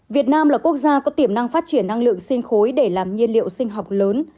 việt nam là quốc gia có tiềm năng phát triển năng lượng sinh khối để làm nhiên liệu sinh học lớn